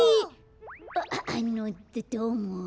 ああのどどうも。